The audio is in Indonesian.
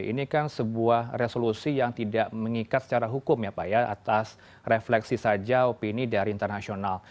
ini kan sebuah resolusi yang tidak mengikat secara hukum ya pak ya atas refleksi saja opini dari internasional